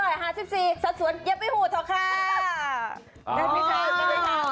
สัดสวนเย็บไปหูดเถอะค่ะ